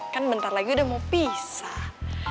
kan bentar lagi udah mau pisah